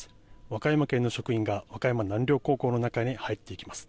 和歌山県の職員が和歌山南陵高校の中に入っていきます。